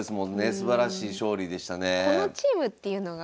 すばらしい勝利でしたね。